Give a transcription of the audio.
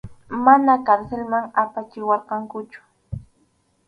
Mana karsilman apachiwarqankuchu.